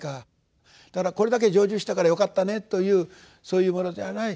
だから「これだけ成就したからよかったね」というそういうものじゃない。